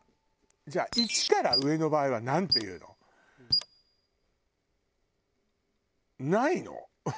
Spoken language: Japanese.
じゃあ１から上の場合はなんて言うの？ないの？